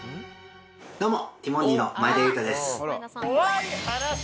どうも！